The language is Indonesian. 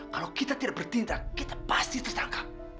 kalau kita tidak bertindak kita pasti tertangkap